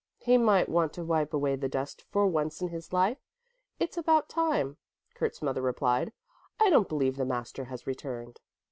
"He might want to wipe away the dust for once in his life; it's about time," Kurt's mother replied. "I don't believe the master has returned."